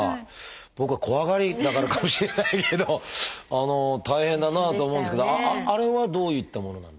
僕が怖がりだからかもしれないけど大変だなあと思うんですけどあれはどういったものなんですか？